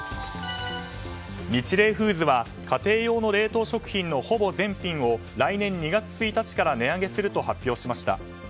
ニチレイフーズは家庭用の冷凍食品のほぼ全品を来年２月１日から値上げすると発表しました。